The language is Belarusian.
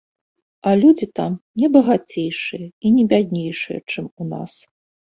А людзі там не багацейшыя і не бяднейшыя, чым у нас.